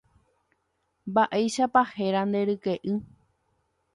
Mba'éichapa héra nde ryke'y.